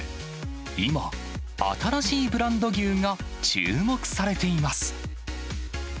今、新しいブランド牛が注目されています。